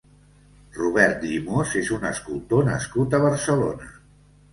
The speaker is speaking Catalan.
Robert Llimós és un escultor nascut a Barcelona.